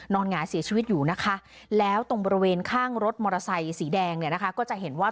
หงายเสียชีวิตอยู่นะคะแล้วตรงบริเวณข้างรถมอเตอร์ไซค์สีแดงเนี่ยนะคะก็จะเห็นว่า